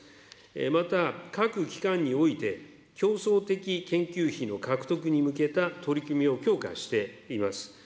また各機関において、きょうそう的研究費の獲得に向けた取り組みを強化しています。